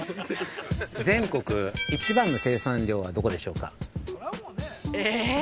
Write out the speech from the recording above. ◆全国一番の生産量はどこでしょうか。